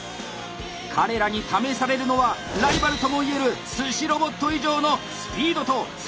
彼らに試されるのはライバルともいえる「寿司ロボット」以上のスピードと正確さ！